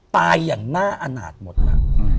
ตายอย่างน่าอาณาจหมดนะ